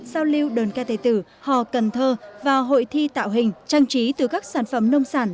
giao lưu đơn ca tề tử hò cần thơ và hội thi tạo hình trang trí từ các sản phẩm nông sản